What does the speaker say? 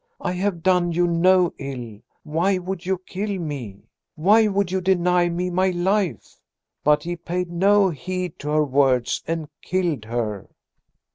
I have done you no ill, why would you kill me? Why would you deny me my life?' But he paid no heed to her words and killed her."